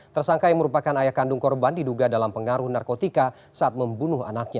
tersangka yang merupakan ayah kandung korban diduga dalam pengaruh narkotika saat membunuh anaknya